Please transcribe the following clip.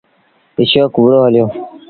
اشوڪ وُهڙو هليو۔